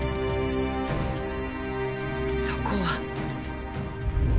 そこは。